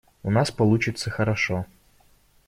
У нас получится хорошо.